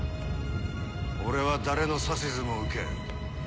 俺は誰の指図も受けん。